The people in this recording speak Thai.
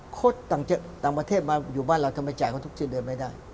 ต่างประเทศมาอยู่บ้านเราทำไมจ่ายเขาทุกที่เดินไม่ได้